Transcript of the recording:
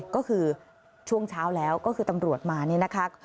ก็คือช่วงเช้าแล้วก็คือตำรวจมานี่นะคะ